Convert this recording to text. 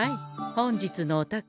本日のお宝